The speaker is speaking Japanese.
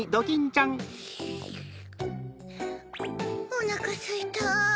おなかすいた。